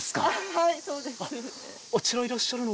はいそうです。